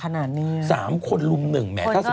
ว่าสามคนรุมนึง